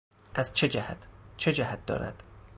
ازچه جهت ـ چه جهت دارد